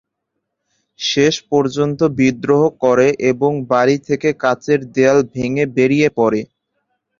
শেষ পর্যন্ত বিদ্রোহ করে এবং বাড়ি থেকে কাঁচের দেয়াল ভেঙ্গে বেড়িয়ে পড়ে।